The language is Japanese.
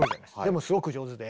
でもすごく上手で。